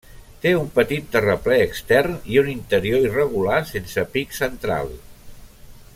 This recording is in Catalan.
Té un petit terraplè extern i un interior irregular sense pic central.